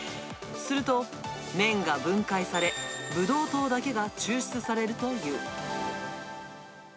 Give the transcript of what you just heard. すると綿が分解され、ブドウ糖だけが抽出されるという。